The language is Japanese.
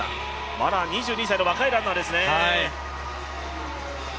まだ２２歳の若いランナーですね。